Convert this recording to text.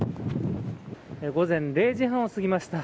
午前０時半を過ぎました。